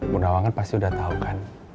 bu nawa kan pasti udah tahu kan